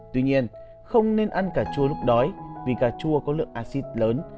tuy nhiên không nên ăn cà chua lúc đói vì cà chua có lượng acid lớn